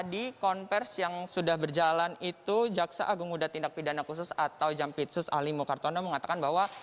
di konversi yang sudah berjalan itu jaksa agung muda tindak pidana khusus atau jampitsus ali mokartono mengatakan bahwa